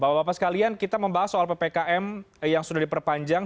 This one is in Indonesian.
bapak bapak sekalian kita membahas soal ppkm yang sudah diperpanjang